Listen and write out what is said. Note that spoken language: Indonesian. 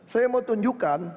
saya mau tunjukkan